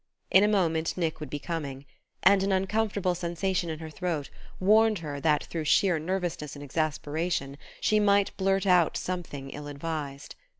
In a moment Nick would be coming; and an uncomfortable sensation in her throat warned her that through sheer nervousness and exasperation she might blurt out something ill advised.